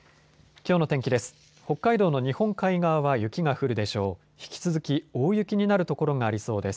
きょうの天気です。